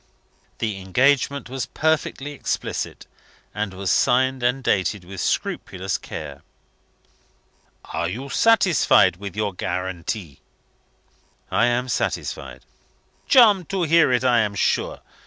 The engagement was perfectly explicit, and was signed and dated with scrupulous care. "Are you satisfied with your guarantee?" "I am satisfied." "Charmed to hear it, I am sure.